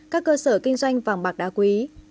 các cơ sở kinh doanh vàng bạc đã quý